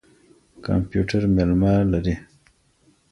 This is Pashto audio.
کمپيوټر مېلمه لري.